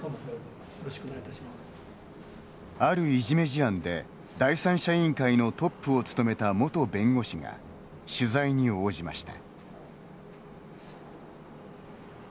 あるいじめ事案で第三者委員会のトップを務めた元弁護士が取材に応じました。